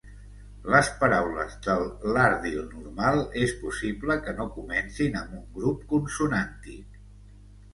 Les paraules del lardil normal és possible que no comencin amb un grup consonàntic.